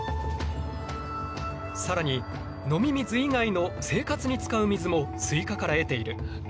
更に飲み水以外の生活に使う水もスイカから得ている。